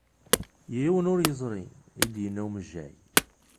Yiwen ur yeẓri, i d-yenna umejjay.